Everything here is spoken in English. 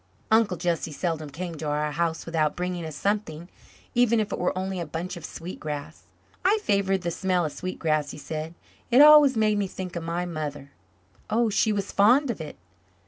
'" Uncle Jesse seldom came to our house without bringing us something, even if it were only a bunch of sweet grass. "I favour the smell of sweet grass," he said. "It always makes me think of my mother." "She was fond of it?"